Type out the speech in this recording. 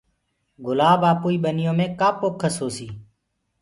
گُلآب آپوئي ٻنيو مي ڪآ پوکس هوسي